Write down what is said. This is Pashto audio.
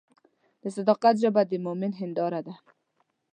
د صداقت ژبه د مؤمن هنداره ده.